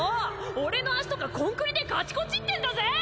俺の足とかコンクリでカチコチってんだぜー！